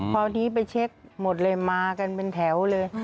พอดีไปเช็คหมดเลยมากันเป็นแถวเลย